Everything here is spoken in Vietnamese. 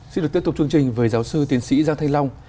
xin được tiếp tục chương trình với giáo sư tiến sĩ giang thanh long